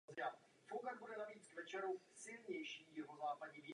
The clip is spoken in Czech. Naftový motor nemá mít třapce a ornamenty, slečno Gloryová.